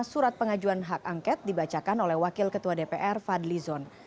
surat pengajuan hak angket dibacakan oleh wakil ketua dpr fadli zon